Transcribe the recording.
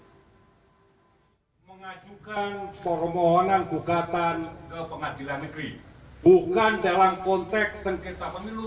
saya mengajukan permohonan gugatan ke pengadilan negeri bukan dalam konteks sengketa pemilu